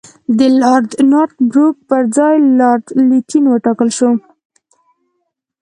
د لارډ نارت بروک پر ځای لارډ لیټن وټاکل شو.